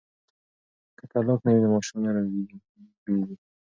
که طلاق نه وي نو ماشوم نه روبیږي.